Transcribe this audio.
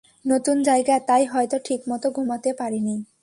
নতুন জায়গা তাই হয়তো ঠিকমতো ঘুমাতে পারিনি।